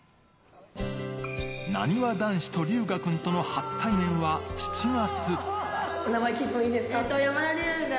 なにわ男子と龍芽君との初対面は７月。